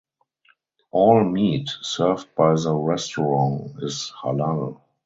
All meat served by the restaurant is halal.